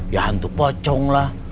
ya hantu pocong lah